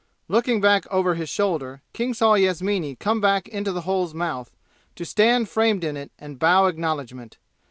Looking back over his shoulder, King saw Yasmini come back into the hole's mouth, to stand framed in it and bow acknowledgment.